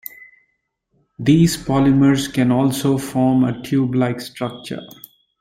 These polymers can also form a tube-like structure.